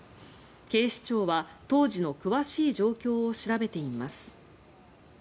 警視庁は当時の詳しい状況を調べています。